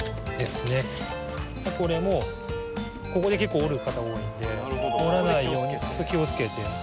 これもここで結構折る方が多いので折らないように気をつけて。